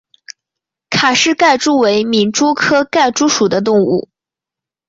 卡氏盖蛛为皿蛛科盖蛛属的动物。